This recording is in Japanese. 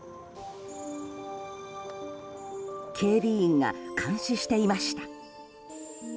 警備員が監視していました。